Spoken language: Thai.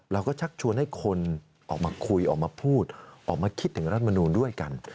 ชักชวนให้คนออกมาคุยออกมาพูดออกมาคิดถึงรัฐมนูลด้วยกัน